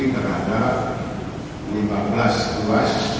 terhadap lima belas tuas